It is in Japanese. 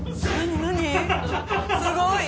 すごい！